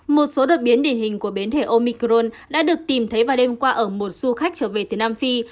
một số đột biến địa hình của biến thể omicron đã được tìm thấy vào đêm qua ở một du khách trở về từ nam phi